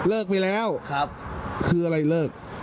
ไปแล้วคืออะไรเลิก